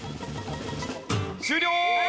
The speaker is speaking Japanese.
終了！